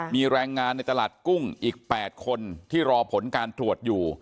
มีแรงงานในตลาดกุ้งอีก๘คนที่รอผลการตรวจอยู่